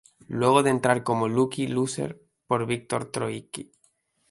Luego de entrar como Lucky loser por Viktor Troicki.